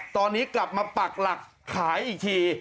ตอนนี้กลับมาปักหลักขายอีกที